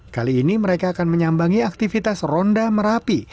kali ini mereka akan menyambangi aktivitas ronda merapi